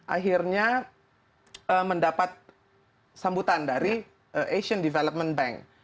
akhirnya mendapat sambutan dari asian development bank